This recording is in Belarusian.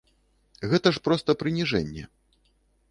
Гэта ж проста прыніжэнне.